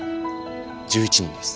１１人です。